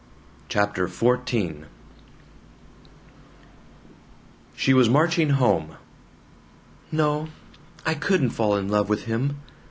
CHAPTER XIV SHE was marching home. "No. I couldn't fall in love with him.